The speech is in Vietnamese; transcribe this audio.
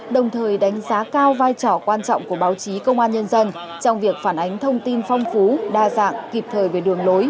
đồng thời đánh giá cao vai trò quan trọng của báo chí công an nhân dân trong việc phản ánh thông tin phong phú đa dạng kịp thời về đường lối